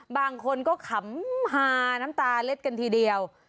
บางคนก็ขำฮาน้ำตาเล็ดกันทีเดียว